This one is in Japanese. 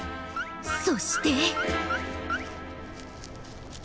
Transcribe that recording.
そして。